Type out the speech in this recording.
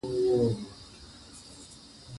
کندهار ښاروالي ژمنه کوي چي له وړ